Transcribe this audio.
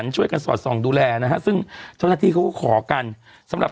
ช่วยกันศอดรองดูแลนะฮะซึ่งทนทีเขาก็ขอกันสำหรับ